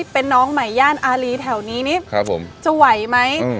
เป็นน้องใหม่ย่านอารีแถวนี้นี่จะไหวไหม